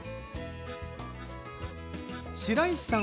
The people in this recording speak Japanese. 白石さん